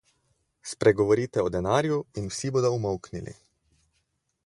Spregovorite o denarju in vsi bodo umolknili.